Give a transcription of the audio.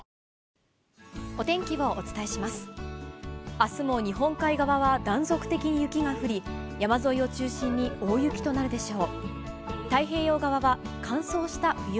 あすも日本海側は断続的に雪が降り、山沿いを中心に大雪となるでしょう。